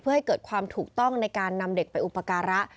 เพื่อให้เกิดความถูกต้องในการนำเด็กไปอุปการะ